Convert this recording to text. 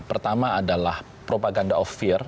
pertama adalah propaganda of fear